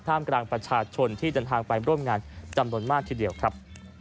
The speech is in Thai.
กลางประชาชนที่เดินทางไปร่วมงานจำนวนมากทีเดียวครับ